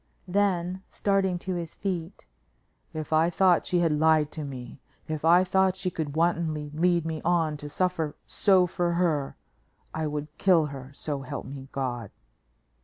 Then, starting to his feet: "If I thought she had lied to me; if I thought she could wantonly lead me on to suffer so for her, I would kill her, so help me God."